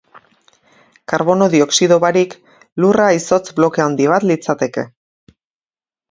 Karbono dioxido barik, Lurra izotz bloke handi bat litzateke.